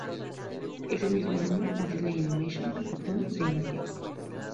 Ese mismo año, Disney Animation Japón se inició.